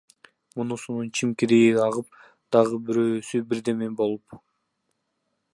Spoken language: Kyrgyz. Мунусунун чимкириги агып, дагы бирөөсү бирдеме болуп!